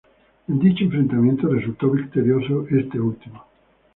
En dicho enfrentamiento resultó victorioso este último.